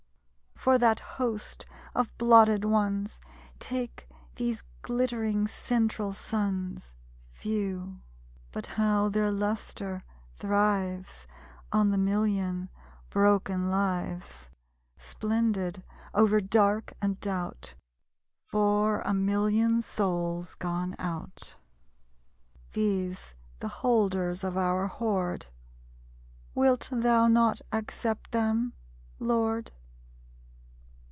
For that host of blotted ones, Take these glittering central suns. Few; but how their lustre thrives On the million broken lives! Splendid, over dark and doubt, For a million souls gone out! These, the holders of our hoard, Wilt thou not accept them, Lord?